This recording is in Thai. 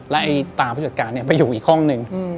แล้วไอ้ตาผู้จัดการไปอยู่อีกห้องหนึ่ง